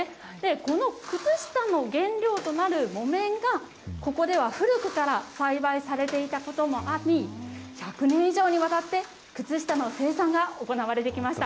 この靴下の原料となる木綿が、ここでは古くから栽培されていたこともあり、１００年以上にわたって靴下の生産が行われてきました。